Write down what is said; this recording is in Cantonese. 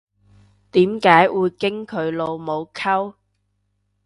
點解會經佢老母溝